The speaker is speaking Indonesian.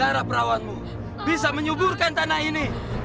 darah perawatmu bisa menyuburkan tanah ini